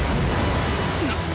なっ！？